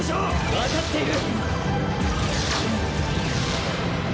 分かっている！